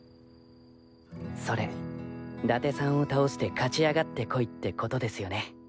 それ伊達さんを倒して勝ち上がってこいってことですよね。